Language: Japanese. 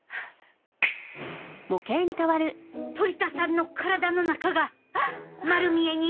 トリ田さんの体の中が丸見えに！